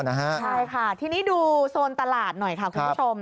ใช่ค่ะทีนี้ดูโซนตลาดหน่อยค่ะคุณผู้ชม